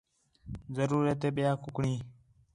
ضرورت ہے ٻِیاں کُکڑیں